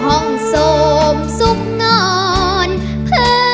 อ่า